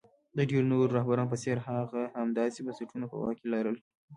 د ډېرو نورو رهبرانو په څېر هغه هم داسې بنسټونه په واک کې لرل.